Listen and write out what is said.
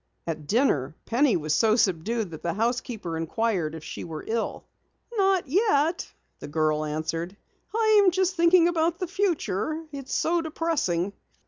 At dinner Penny was so subdued that the housekeeper inquired if she were ill. "Not yet," the girl answered. "I'm just thinking about the future. It's so depressing."